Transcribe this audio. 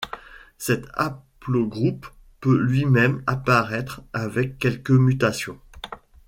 Cet haplogroupe peut lui-même apparaître avec quelques mutations.